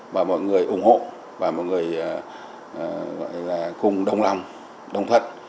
và mọi người ủng hộ và mọi người gọi là cùng đồng lòng đồng thuận